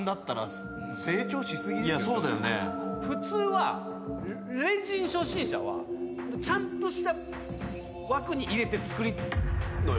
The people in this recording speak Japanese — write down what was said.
普通はレジン初心者はちゃんとした枠に入れて作りぴたっと。